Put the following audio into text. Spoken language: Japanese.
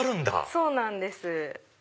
そうなんです。